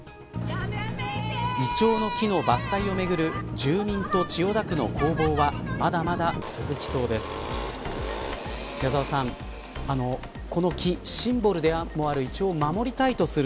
イチョウの木の伐採をめぐる住民と千代田区の攻防はまだまだ続きそうです